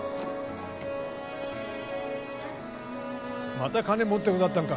また金持ってござったんか